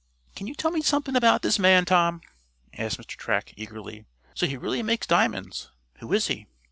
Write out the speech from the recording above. "Can you tell me something about this man, Tom?" asked Mr. Track, eagerly. "So he really makes diamonds. Who is he?"